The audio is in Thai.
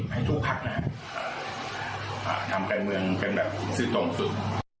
ให้ทุกคักนะครับอ่าทำแก่เมืองเป็นแบบสิทธิ์ตรงสุด